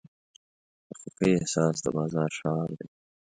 د خوښۍ احساس د بازار شعار دی.